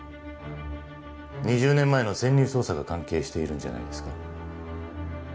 ２０年前の潜入捜査が関係しているんじゃないですか？